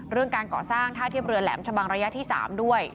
การก่อสร้างท่าเทียบเรือแหลมชะบังระยะที่๓ด้วย